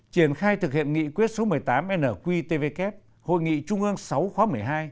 triển khai thực hiện nghị quyết số một mươi tám nqtvk hội nghị trung ương sáu khóa một mươi hai